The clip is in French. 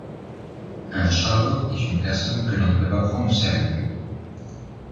Un charlot est une personne que l'on ne peut pas prendre au sérieux.